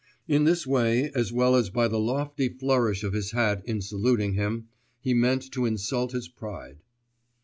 In this way, as well as by the lofty flourish of his hat in saluting him, he meant to insult his pride.